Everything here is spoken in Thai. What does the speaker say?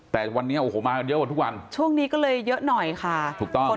แต่วันนี้โอ้โหมากันเยอะกว่าทุกวันช่วงนี้ก็เลยเยอะหน่อยค่ะถูกต้อง